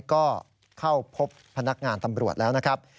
ก็เข้าพบพนักงานตำรวจแล้วนะครับ